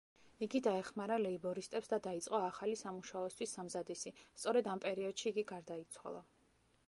იგი დაეხმარა ლეიბორისტებს და დაიწყო ახალი სამუშაოსათვის სამზადისი, სწორედ ამ პერიოდში იგი გარდაიცვალა.